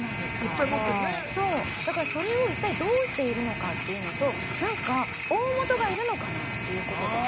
だからそれを一体どうしているのかっていうのとなんか大本がいるのかなっていうこととか。